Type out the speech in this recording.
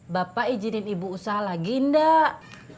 bapak izinin ibu usaha lagi enggak